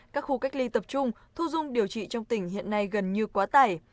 các khu cách ly tập trung thu dung điều trị trong tỉnh hiện nay gần như quá tải